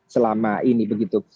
selama ini begitu